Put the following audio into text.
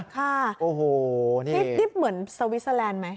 ค่ะโอ้โหนี่เหมือนสวิสเตอร์แลนด์ไหม